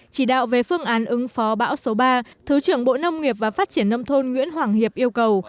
chỉ đạo về phương án ứng phó bão số ba thứ trưởng bộ nông nghiệp và phát triển nông thôn nguyễn hoàng hiệp yêu cầu